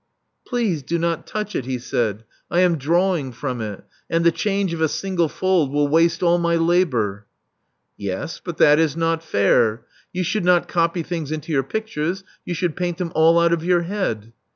Please do not touch it," he said. I am drawing from it ; and the change of a single fold will waste all my labor." Yes; but that is not fair. You should not copy things into your pictures: you should paint them all out of your head."